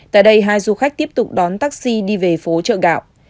tại đây hai du khách tiếp tục đón taxi đi về phố chợ gạo